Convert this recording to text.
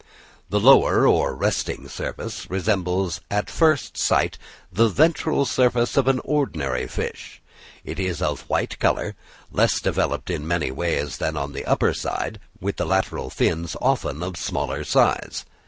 The lower, or resting surface, resembles at first sight the ventral surface of an ordinary fish; it is of a white colour, less developed in many ways than the upper side, with the lateral fins often of smaller size.